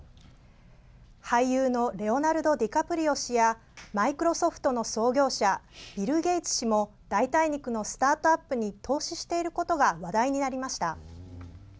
俳優のレオナルド・ディカプリオ氏やマイクロソフトの創業者ビル・ゲイツ氏も代替肉のスタートアップに投資していることが話題になりました。